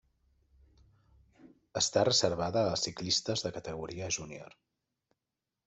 Està reservada a ciclistes de categoria júnior.